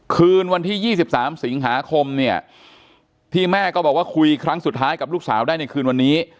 คืนวันที่๒๓สิงหาคมเนี่ยที่แม่ก็บอกว่าคุยครั้งสุดท้ายกับลูกสาวได้ในคืนวันนี้